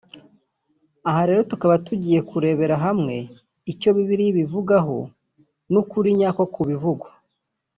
aha rero tukaba tugiye kurebera hamwe icyo bibiliya ibivugaho n’ukuri nyako ku bivugwa